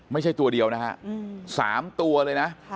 ไม่ใช่ตัวเดียวนะฮะ๓ตัวเลยนะ